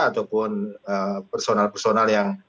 ataupun personal personal yang